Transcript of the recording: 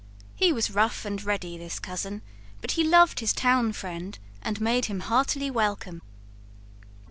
He was rough and ready, this cousin, but he loved his town friend and made him heartily welcome.